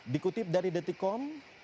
dikutip dari detikom